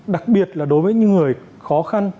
đặc biệt là đối với những người khó khăn